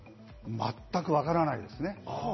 全くわからないですね。